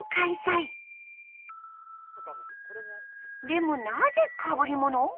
でもなぜかぶりもの？